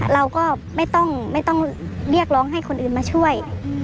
เราก็ไม่ต้องเรียกร้องให้คนอื่นมาช่วย